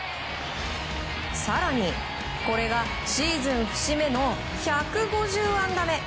更に、これがシーズン節目の１５０安打目。